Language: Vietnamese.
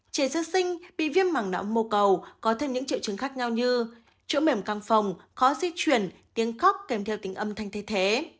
trẻ sơ sinh bị viên mảng nã mô cầu có thêm những triệu chứng khác nhau như trỗ mềm căng phòng khó di chuyển tiếng khóc kèm theo tính âm thanh thay thế